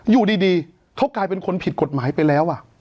อยู่ดีเขากลายเป็นคนผิดกฎหมายไปแล้ว